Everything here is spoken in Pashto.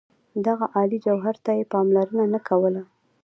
دغه عالي جوهر ته یې پاملرنه نه کوله.